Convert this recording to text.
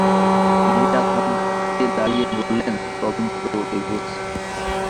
মিয়া থমকে দাঁড়িয়ে বললেন, তদন্ত এগুচ্ছে?